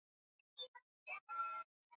wote wako sawa hakuna kitu yaani wanasaidia